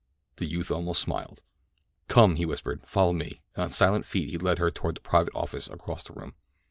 The youth almost smiled. "Come!" he whispered. "Follow me," and on silent feet he led her toward the private office across the room.